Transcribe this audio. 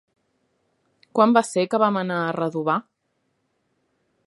Quan va ser que vam anar a Redovà?